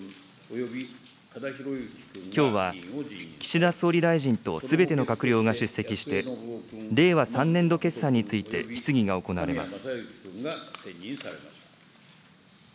きょうは、岸田総理大臣とすべての閣僚が出席して、令和３年度決算について質疑が行われます。